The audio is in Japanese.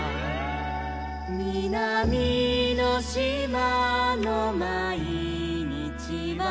「みなみのしまのまいにちは」